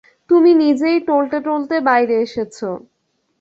তুমি নিজেই টলতে-টলতে বাইরে এসেছো।